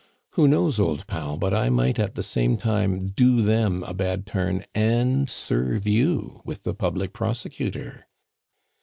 "Who knows, old pal, but I might at the same time do them a bad turn and serve you with the public prosecutor?"